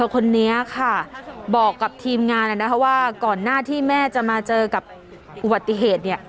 คนนี้ค่ะบอกกับทีมงานนะคะว่าก่อนหน้าที่แม่จะมาเจอกับอุบัติเหตุเนี่ย